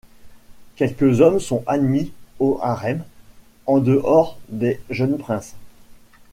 Quelques hommes sont admis au harem, en dehors des jeunes princes.